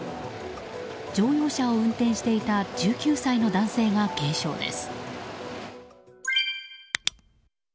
乗用車を運転していた１９歳の男性が軽傷です。